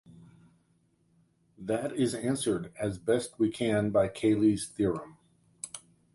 That is answered, as best we can by Cayley's theorem.